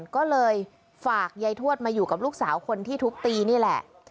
ก็เลยฝากยายทวดมาอยู่กับลูกสาวคนที่ทุบตีนี่แหละ